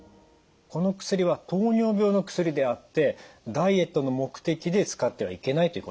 この薬は糖尿病の薬であってダイエットの目的で使ってはいけないということですね。